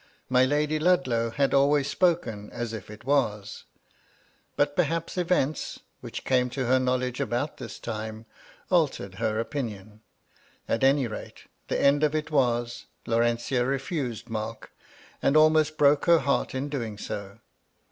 My Lady Ludlow had always spoken as if it was ; but perhaps events, which came to her knowledge about this time, altered her opinion. At any rate, the end of it was, Laurenti4 revised Mark, and almost broke her heart in doing so.